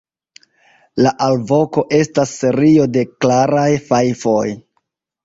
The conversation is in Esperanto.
La alvoko estas serio de klaraj fajfoj.